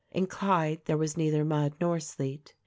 In Clyde there was neither mud nor sleet.